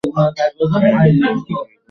মীরাকে প্রভু গিরিধর নাগর, চরণকমল বলিহার রে।